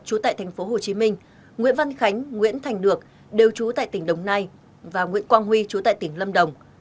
chú tại tp hcm nguyễn văn khánh nguyễn thành được đều trú tại tỉnh đồng nai và nguyễn quang huy chú tại tỉnh lâm đồng